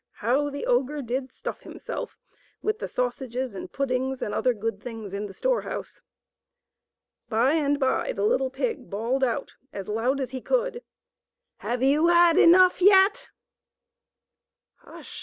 how the ogre did stuff himself with the sausages and puddings and other good things in the storehouse. By and by the little pig bawled out as loud as he could, '' Have you fuui enough yet f "" Hush sh sh sh sh sh sh